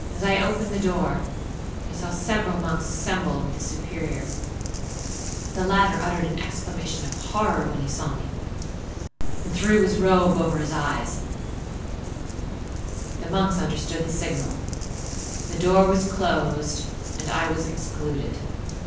As I opened the door, I saw several monks assembled with the Superior. The latter uttered an exclamation of horror when he saw me, and threw his robe over his eyes; the monks understood the signal; the door was closed, and I was excluded.